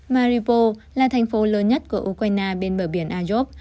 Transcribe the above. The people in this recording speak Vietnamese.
maripos là thành phố lớn nhất của ukraine bên bờ biển agyov